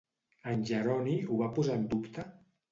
En Jeroni ho va posar en dubte?